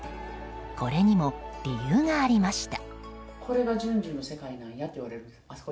これにも理由がありました。